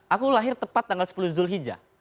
aku lahir tepat tanggal sepuluh zul hijah